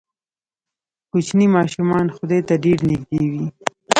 کوچني ماشومان خدای ته ډېر نږدې وي.